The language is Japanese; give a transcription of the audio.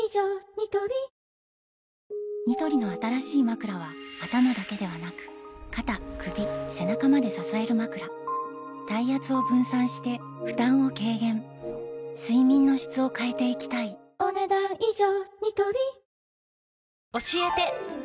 ニトリニトリの新しいまくらは頭だけではなく肩・首・背中まで支えるまくら体圧を分散して負担を軽減睡眠の質を変えていきたいお、ねだん以上。